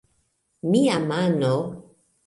Mia mano...